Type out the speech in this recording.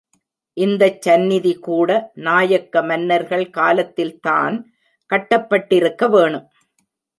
இந்தச் சந்நிதிகூட நாயக்க மன்னர்கள் காலத்தில்தான் கட்டப்பட்டிருக்க வேணும்.